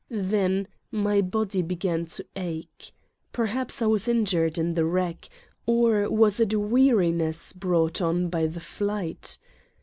Thai my body began to ache. Per haps I was injured in the wreck, or was it weari ness brought on by the flight?